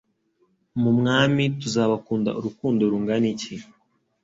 mu mwami tuzabakunda urukundo rungana iki?